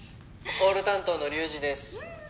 「ホール担当の龍二です」